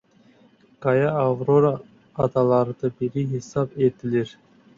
Qaya Avrora adalarından biri hesab edilir.